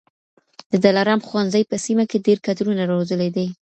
د دلارام ښوونځي په سیمه کي ډېر کدرونه روزلي دي.